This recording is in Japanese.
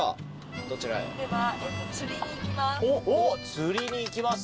釣りに行きます。